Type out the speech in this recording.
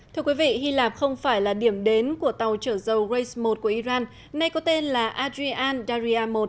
thưa quý vị hy lạc không phải là điểm đến của tàu trở dâu race một của iran nay có tên là adrian daria một